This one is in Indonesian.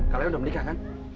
kalian udah menikah kan